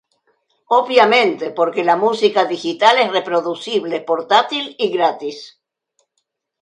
Obviamente, porque la música digital es reproducible, portátil y gratis.